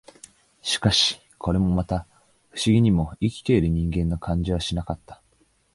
しかし、これもまた、不思議にも、生きている人間の感じはしなかった